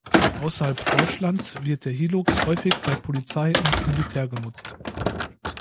Außerhalb Deutschlands wird der Hilux häufig bei Polizei und Militär genutzt.